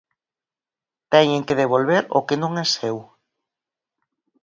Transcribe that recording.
Teñen que devolver o que non é seu.